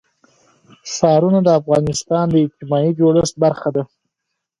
ښارونه د افغانستان د اجتماعي جوړښت برخه ده.